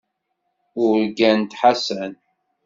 Urgant Ḥasan.